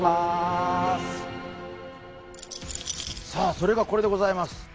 それがこれでございます。